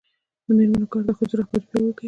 د میرمنو کار د ښځو رهبري پیاوړې کوي.